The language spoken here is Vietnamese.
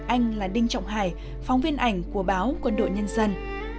anh là đinh trọng hải phóng viên ảnh của báo quân đội nhân dân